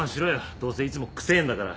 どうせいつも臭ぇんだから。